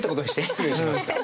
失礼しました。